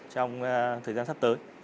trong thời gian sắp tới